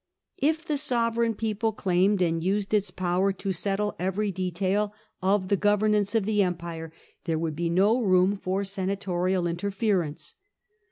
irihe' sovereign people claimed and used its power to settle every detail of ohe governance of the empire, there would be no room for senatorial interference.